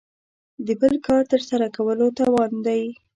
د بل کار تر سره کولو توان دی.